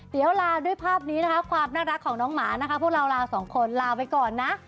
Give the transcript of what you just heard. เดี๋ยวลาด้วยภาพนี้นะคะความน่ารักของน้องหมานะคะพวกเราลาสองคนลาไปก่อนนะ